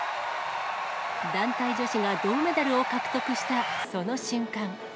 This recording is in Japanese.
団体女子が銅メダルを獲得したその瞬間。